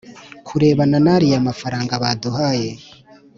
kurebana n’ariya mafarangaba duhaye